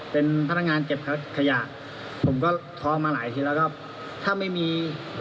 เป็นพนักงานเก็บขยะผมก็ท้องมาหลายทีแล้วก็ถ้าไม่มี